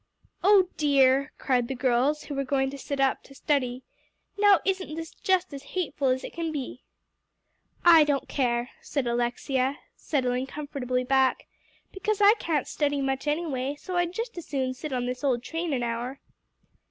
"Oh dear!" cried the girls who were going to sit up to study, "now isn't this just as hateful as it can be?" "I don't care," said Alexia, settling comfortably back, "because I can't study much anyway, so I'd just as soon sit on this old train an hour."